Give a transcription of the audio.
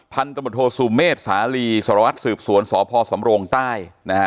พันธุ์ตมตรศูมิเมษศาลีสารวัฒน์สืบสวนสพสำโรงใต้